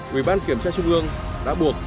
quy bán kiểm tra trung ương đã buộc